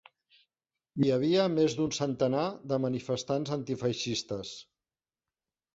Hi havia més d'un centenar de manifestants antifeixistes.